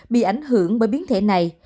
bị ảnh hưởng bởi biến thể này